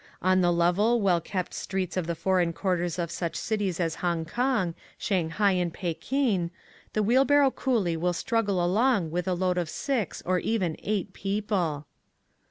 On the level, well kept streets of the foreign quarters of such cities as Hongkong, Shanghai, and Pekin, the wheelbarrow coolie will struggle along with a load of 6 or even 8 people.